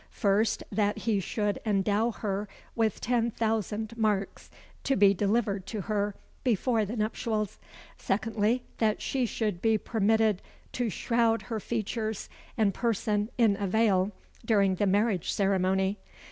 First, that he should endow her with ten thousand marks, to be delivered to her before the nuptials; secondly, that she should be permitted to shroud her features and person in a veil during the marriage ceremony.